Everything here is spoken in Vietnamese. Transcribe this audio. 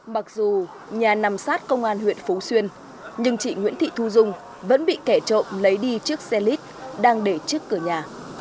mặc dù nhà nằm sát công an huyện phú xuyên nhưng chị nguyễn thị thu dung vẫn bị kẻ trộm lấy đi chiếc xe lit đang để trước cửa nhà